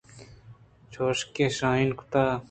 چُشکہ شاہین ءَ کُت